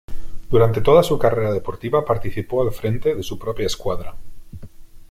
Durante toda su carrera deportiva participó al frente de su propia escuadra.